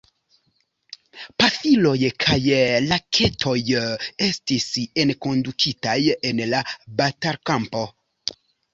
Pafiloj kaj raketoj estis enkondukitaj en la batalkampo.